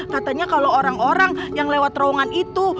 katanya kalau orang orang yang lewat terowongan itu